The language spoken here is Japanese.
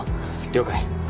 了解。